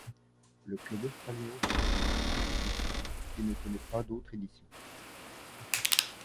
Le club australien remporte cette compétition qui ne connaît pas d'autre édition.